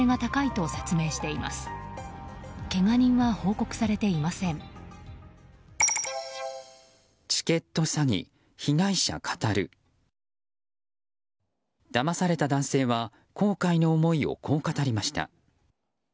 だまされた男性は後悔の思いをこう語りました。